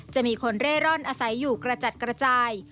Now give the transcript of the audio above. จะมีคนเร่ร่อนอาศัยอยู่กระจัดกระจาย